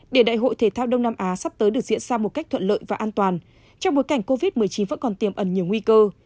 để đại hội thể thao đông nam á sắp tới được diễn ra một cách thuận lợi và an toàn trong bối cảnh covid một mươi chín vẫn còn tiềm ẩn nhiều nguy cơ